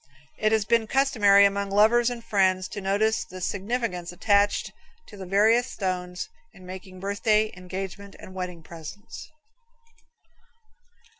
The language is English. It has been customary among lovers and friends to notice the significance attached to the various stones in making birthday, engagement and wedding presents.